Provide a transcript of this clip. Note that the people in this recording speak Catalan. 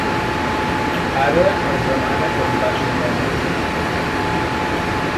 Ara els demana que li passin la nena.